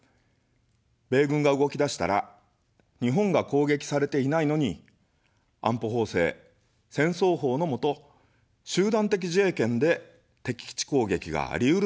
米軍が動き出したら、日本が攻撃されていないのに、安保法制、戦争法のもと、集団的自衛権で敵基地攻撃がありうるというのです。